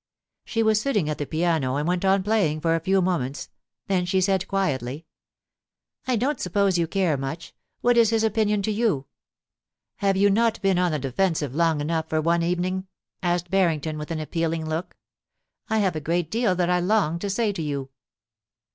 She was sitting at the piano, and went on playing for a few moments ; then she said quietly :* I don't suppose you care much. What is his opinion to you?* * Have you not been on the defensive long enough for one evening ?* asked Barrington, with an appealing look. * I have a great deal that I long to say to you.